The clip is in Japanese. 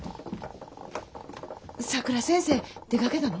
さくら先生出かけたの？